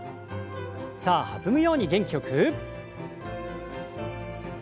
さあ弾むように元気よく。